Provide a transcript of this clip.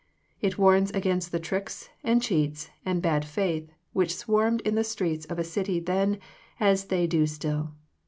It warns against the tricks, and cheats, and bad faith, which swarmed in the streets of a city then, as they do still.